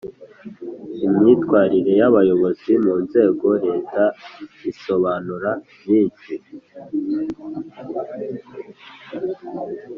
imyitwarire y Abayobozi mu Nzego za leta isobanura byinshi